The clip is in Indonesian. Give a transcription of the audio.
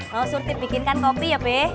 mau surti bikin kan kopi ya be